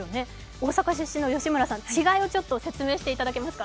大阪出身の吉村さん、違いをちょっと説明していただけますか。